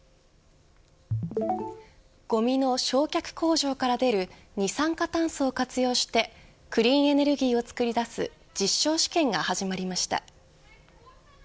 ごみの焼却工場から出る二酸化炭素を活用してクリーンエネルギーを作り出す実証試験が始まりました。